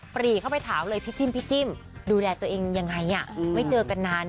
ปรีเข้าไปถามเลยพี่จิ้มพี่จิ้มดูแลตัวเองยังไงไม่เจอกันนาน